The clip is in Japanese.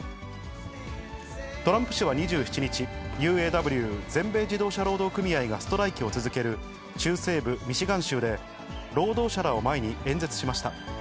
トランプ氏は２７日、ＵＡＷ・全米自動車労働組合がストライキを続ける中西部ミシガン州で労働者らを前に演説しました。